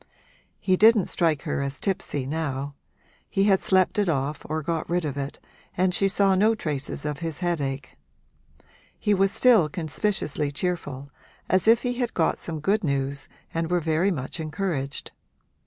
He didn't strike her as tipsy now; he had slept it off or got rid of it and she saw no traces of his headache. He was still conspicuously cheerful, as if he had got some good news and were very much encouraged.